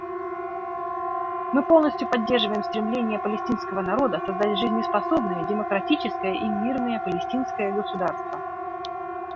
Мы полностью поддерживаем стремление палестинского народа создать жизнеспособное, демократическое и мирное палестинское государство.